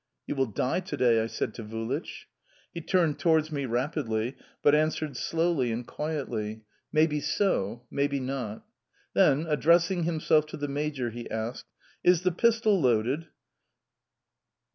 "You will die to day!" I said to Vulich. He turned towards me rapidly, but answered slowly and quietly: "May be so, may be not."... Then, addressing himself to the major, he asked: "Is the pistol loaded?"